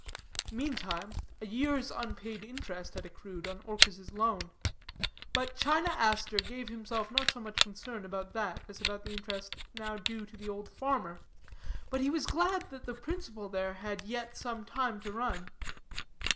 Meantime, a year's unpaid interest had accrued on Orchis' loan, but China Aster gave himself not so much concern about that as about the interest now due to the old farmer. But he was glad that the principal there had yet some time to run.